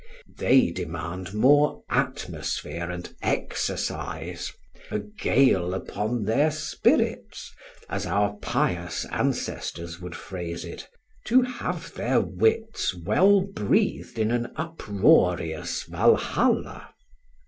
They demand more atmosphere and exercise; "a gale upon their spirits," as our pious ancestors would phrase it; to have their wits well breathed in an uproarious Valhalla.